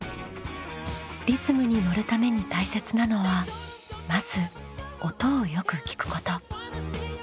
リズムにのるために大切なのはまず音をよく聞くこと。